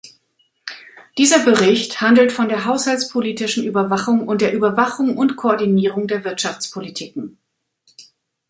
Dieser Bericht handelt von der haushaltspolitischen Überwachung und der Überwachung und Koordinierung der Wirtschaftspolitiken.